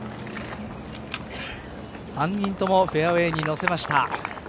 ３人ともフェアウエーにのせました。